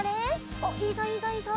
おっいいぞいいぞいいぞ。